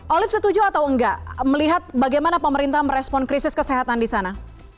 olip setuju atau enggak melihat bagaimana pemerintah merespon krisis kesehatan di sana